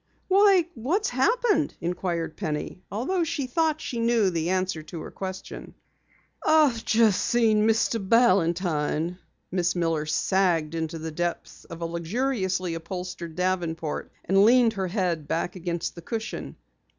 "Why, what has happened?" inquired Penny, although she thought she knew the answer to her question. "I've just seen Mr. Balantine." Miss Miller sagged into the depths of a luxuriously upholstered davenport and leaned her head back against the cushion.